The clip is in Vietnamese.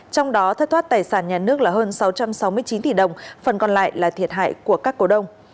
trong đó thất thoát tài sản nhà nước là hơn sáu trăm sáu mươi chín tỷ đồng phần còn lại là thiệt hại của các cổ đông